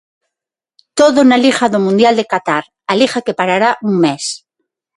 Todo na Liga do mundial de Qatar, a Liga que parará un mes.